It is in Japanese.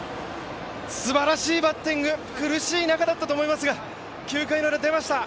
すばらしいバッティング、苦しい中だったと思いますが９回のウラ出ました